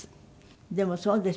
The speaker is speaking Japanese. でもそうですよね